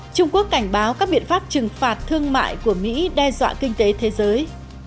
trung quốc cảnh báo các biện pháp trừng phạt thương mại của mỹ đe dọa kinh tế thế giới